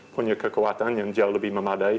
punya kekuatan yang jauh lebih memadai